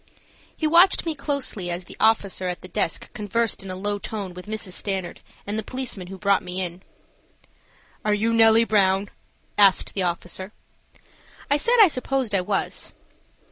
He watched me closely as the officer at the desk conversed in a low tone with Mrs. Stanard and the policeman who brought me. "Are you Nellie Brown?" asked the officer. I said I supposed I was.